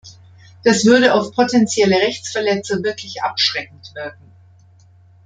Das würde auf potenzielle Rechtsverletzer wirklich abschreckend wirken.